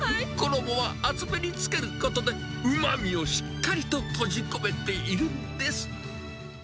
衣は厚めにつけることで、うまみをしっかりと閉じ込めているんです。